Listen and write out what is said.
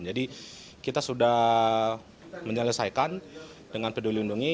jadi kita sudah menyelesaikan dengan peduli lindungi